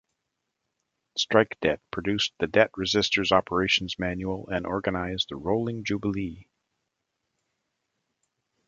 Strike Debt produced the Debt Resistors Operations Manual and organised the Rolling Jubilee.